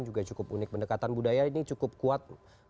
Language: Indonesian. juga cukup unik pendekatan budaya ini cukup kuat